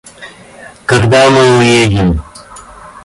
Когда мы уедем?